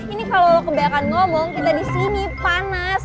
ini kalo lu kebanyakan ngomong kita disini panas